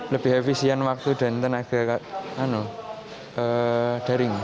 lebih efisien waktu dan tenaga daring